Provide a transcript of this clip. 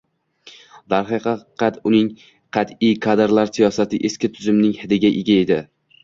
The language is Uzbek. Darhaqiqat, uning qat'iy kadrlar siyosati eski tuzumning "hidiga" ega edi